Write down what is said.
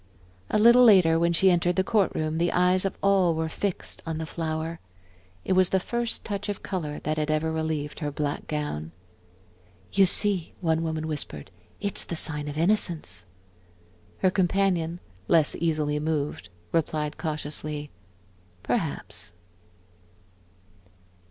A little later, when she entered the court room, the eyes of all were fixed on the flower. It was the first touch of color that had ever relieved her black gown. "You see," one woman whispered, "it's the sign of innocence." Her companion, less easily moved, replied cautiously: "Perhaps."